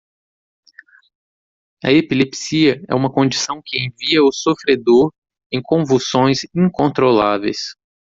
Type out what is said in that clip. A epilepsia é uma condição que envia o sofredor em convulsões incontroláveis.